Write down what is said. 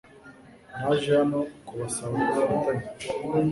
Naje hano kubasaba ubufatanye .